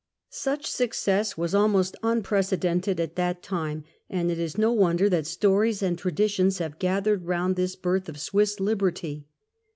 Such success was almost unprecedented at that time, The story and it is no w^onder that stories and traditions have Tell gathered round this birth of Swiss liberty.